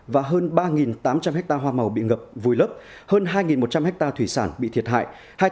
và hơn ba tám trăm linh hectare hoa màu bị ngập vùi lấp hơn hai một trăm linh hectare thủy sản bị thiệt hại